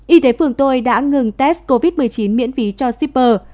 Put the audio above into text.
y tế phường tôi đã ngừng test covid một mươi chín miễn phí cho shipper